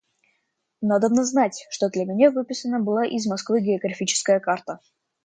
Надобно знать, что для меня выписана была из Москвы географическая карта.